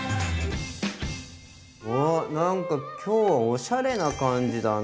おなんか今日はおしゃれな感じだな。